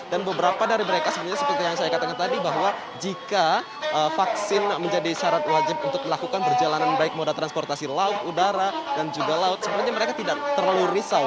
dan beberapa dari mereka seperti yang saya katakan tadi bahwa jika vaksin menjadi syarat wajib untuk melakukan perjalanan baik moda transportasi laut udara dan juga laut sebenarnya mereka tidak terlalu risau